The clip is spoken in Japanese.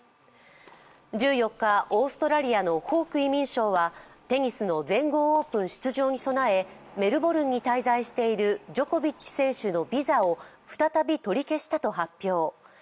１４日、オーストラリアのホーク移民相はテニスの全豪オープン出場に備えメルボルンに滞在しているジョコビッチ選手のビザを再び取り消したと発表。